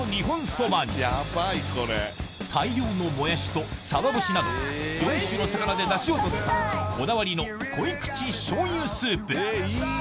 大量のモヤシとサバ節など４種の魚でダシを取ったこだわりの濃口しょうゆスープ